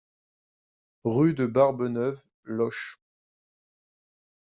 Rue de Barbeneuve, Loches